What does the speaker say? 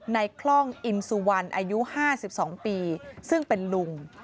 คล่องอินสุวรรณอายุ๕๒ปีซึ่งเป็นลุง